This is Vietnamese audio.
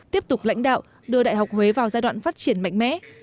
tiếp tục lãnh đạo đưa đại học huế vào giai đoạn phát triển mạnh mẽ